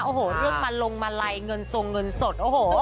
โอ้โหเริ่มมาลงมาลัยเงินทรงเงินสด